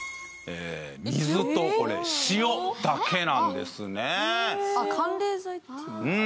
水と塩だけなんですね。